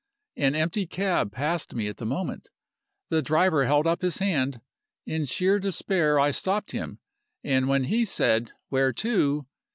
An empty cab passed me at the moment. The driver held up his hand. In sheer despair I stopped him, and when he said 'Where to?